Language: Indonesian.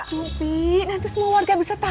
tapi nanti semua warga bisa cari bapak